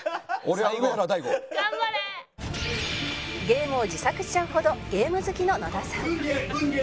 ゲームを自作しちゃうほどゲーム好きの野田さん